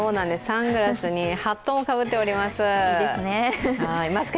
サングラスにハットもかぶっております。